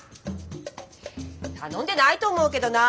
頼んでないと思うけどな。